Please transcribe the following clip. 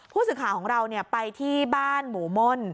ผู้ศึกฐานของเราไปที่บ้านหมู่ม่น